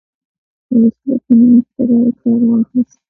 د وسلې په نوم اختراع یې کار واخیست.